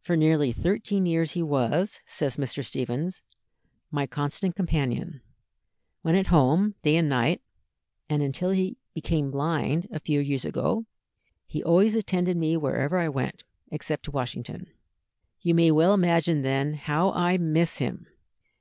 "For nearly thirteen years he was," says Mr. Stephens, "my constant companion, when at home, day and night, and until he became blind, a few years ago, he always attended me wherever I went, except to Washington. You may well imagine, then, how I miss him!